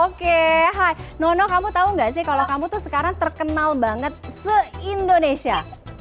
oke hai nono kamu tau gak sih kalau kamu tuh sekarang terkenal banget se indonesia